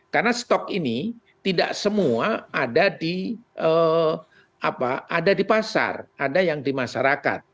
karena stok ini tidak semua ada di pasar ada yang di masyarakat